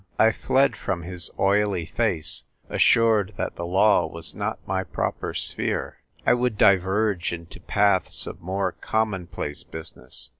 I fled from his oily face, assured that the law was not my proper sphere. I would diverge into paths of more commonplace business.